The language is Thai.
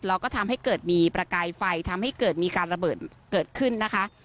แล้วก็ทำให้เกิดมีประกายไฟทำให้เกิดมีการระเบิดเกิดขึ้นนะคะ